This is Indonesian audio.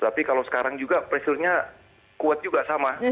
tapi kalau sekarang juga pressure nya kuat juga sama